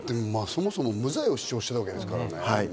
そもそも無罪を主張してるわけですからね。